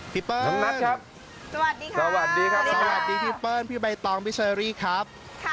พี่เปิ้ลสวัสดีครับพี่เปิ้ลพี่ใบตองพี่เชอรี่ครับ